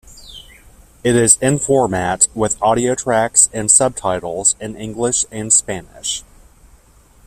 It is in format with audio tracks and subtitles in English and Spanish.